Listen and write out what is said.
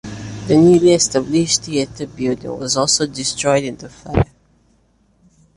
The newly established theater building was also destroyed in the fire.